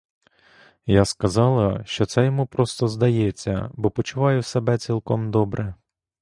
Я сказала, що це йому просто здається, бо почуваю себе цілком добре.